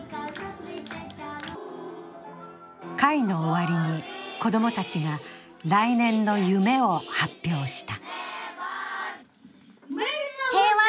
会の終わりに子供たちが来年の夢を発表した。